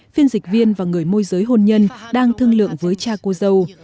phiên dịch viên và người môi giới hôn nhân đang thương lượng với cha cô dâu